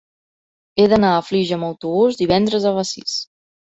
He d'anar a Flix amb autobús divendres a les sis.